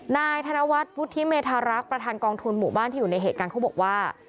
นายธนวัฒน์พุทธิเมธารักษ์ประธานกองทุนหมู่บ้านที่อยู่ในเหตุการณ์เขาบอกว่า